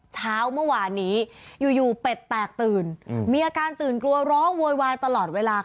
เช้าเมื่อวานนี้อยู่เป็ดแตกตื่นมีอาการตื่นกลัวร้องโวยวายตลอดเวลา